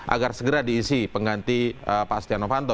agar segera diisi pengganti pak astiano panto